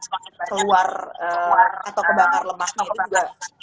semakin keluar atau terbakar lemaknya itu juga kurang relevan ya dok ya